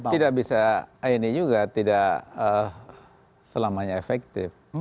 tidak bisa ini juga tidak selamanya efektif